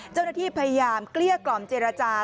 เจ้าหน้าที่พยายามเกลี้ยกล่อมเจรจา